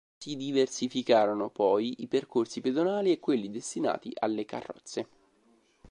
Si diversificarono, poi, i percorsi pedonali e quelli destinati alle carrozze.